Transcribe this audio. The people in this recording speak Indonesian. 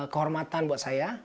kehormatan buat saya